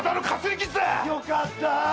よかった。